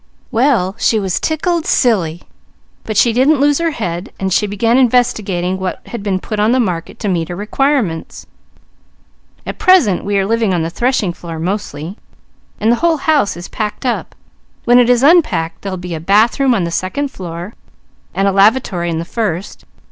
"Well she was tickled silly, but she didn't lose her head; she began investigating what had been put on the market to meet her requirements. At present we are living on the threshing floor mostly, and the whole house is packed up; when it is unpacked, there'll be a bathroom on the second floor, and a lavatory on the first.